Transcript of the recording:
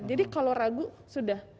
jadi kalau ragu sudah